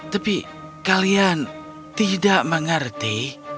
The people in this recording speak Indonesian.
tapi kalian tidak mengerti